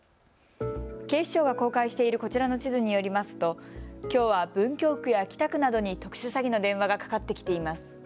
警視庁が公開しているこちらの地図によりますときょうは文京区や北区などに特殊詐欺の電話がかかってきています。